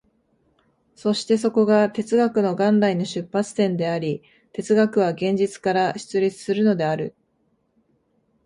そしてそこが哲学の元来の出発点であり、哲学は現実から出立するのである。